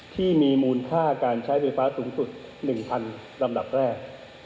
ที่มีมูลค่าการใช้ไฟฟ้าสูงสุด๑๐๐๐ลำดับแรก